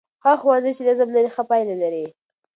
هغه ښوونځی چې نظم لري، ښه پایله لري.